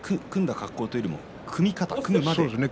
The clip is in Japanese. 格好というよりも組み方、組むまでと。